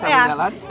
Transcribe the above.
masih saya tadi jalan